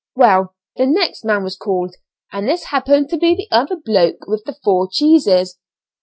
Well the next man was called, and this happened to be the other 'bloke' with the four cheeses.